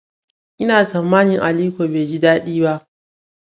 Ina tsammanin Aliko bai ji dadi ba.